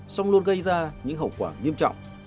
xong luôn gây ra những hậu quả nghiêm trọng